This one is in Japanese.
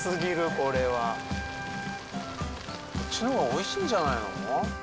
こっちの方が美味しいんじゃないの？